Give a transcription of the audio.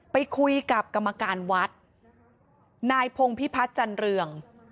ไปคุยกับกรรมการวัดนายพงพิพัฒน์จันเรือง